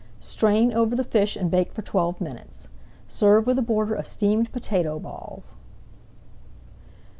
Strain over the fish and bake for twelve minutes. Serve with a border of steamed potato balls.